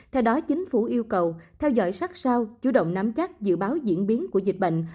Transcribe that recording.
theo đó chính phủ yêu cầu theo dõi sát sao chú động nắm chắc dự báo diễn biến của dịch bệnh